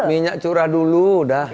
minyak curah dulu udah